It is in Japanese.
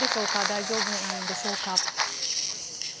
大丈夫なんでしょうか。